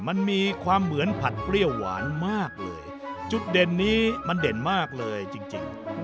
มันมีความเหมือนผัดเปรี้ยวหวานมากเลยจุดเด่นนี้มันเด่นมากเลยจริง